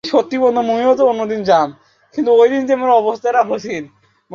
এরা মাঝারি আকৃতির প্রজাপতি।